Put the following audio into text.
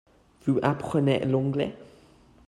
Vous apprenez l'anglais ?